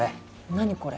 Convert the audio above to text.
何これ？